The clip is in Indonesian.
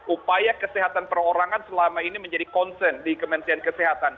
upaya kesehatan perorangan selama ini menjadi concern di kementerian kesehatan